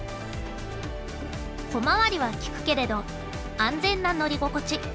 小回りは利くけれど安全な乗り心地。